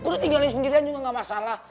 gue tuh tinggalin sendirian juga gak masalah